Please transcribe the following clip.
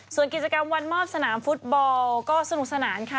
ส่วนกิจกรรมวันมอบสนามฟุตบอลก็สนุกสนานค่ะ